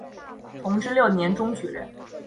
同治六年中举人。